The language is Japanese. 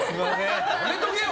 やめとけよ！